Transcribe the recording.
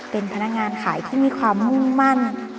เป็นพนักงานขายที่มีความมุ่งมั่น